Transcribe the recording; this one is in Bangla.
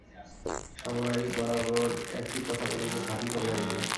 সবাই বারবার একই কথা বলে যে ভাবি কবে আসবে।